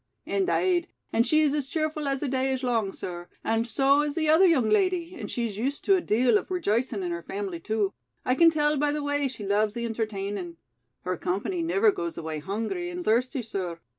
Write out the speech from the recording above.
"Indade, and she's as cheerful as the day is long, sir. And so is the other young lady, and she's used to a deal of rejicin' in her family, too. I can tell by the way she loves the entertainin'. Her company niver goes away hungry and thirsty, sir.